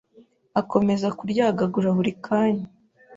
Akomeza kuryagagura buri kanya.